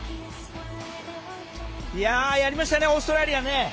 やりましたねオーストラリアね。